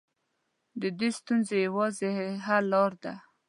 د دې ستونزې يوازنۍ حل لاره ده.